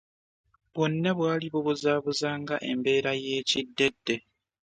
Bwonna bwali bu buzabuza nga embeera y'ekiddedde .